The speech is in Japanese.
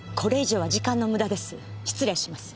失礼します。